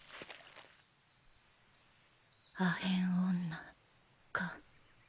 アヘン女か。